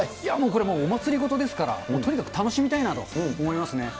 これはもうお祭りごとですから、とにかく楽しみたいなと思いますね。